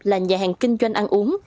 là nhà hàng kinh doanh ăn uống